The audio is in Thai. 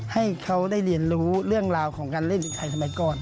ให้เขาได้เรียนรู้เรื่องราวของการเล่นเด็กไทยสมัยก่อน